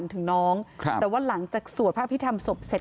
แต่ว่าหลังจากสวดภาพที่ทำศพเสร็จ